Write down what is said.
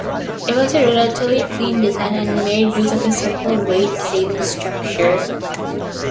It was a relatively clean design and made use of a simple, weight-saving structure.